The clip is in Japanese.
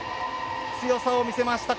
強さを見せました。